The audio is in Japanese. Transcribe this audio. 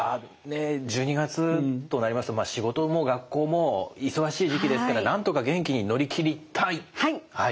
１２月となりますと仕事も学校も忙しい時期ですからなんとか元気に乗り切りたい！